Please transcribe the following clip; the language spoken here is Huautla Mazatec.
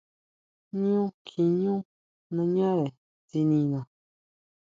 Ñú kjiʼñú nañare tsinina.